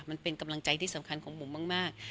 มันเป็นกำลังใจที่สำคัญของบุ๋มมาก